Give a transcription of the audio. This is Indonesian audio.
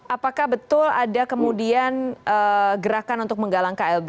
apakah betul ada kemudian gerakan untuk menggalang klb